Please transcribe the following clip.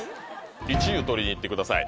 １位を取りにいってください。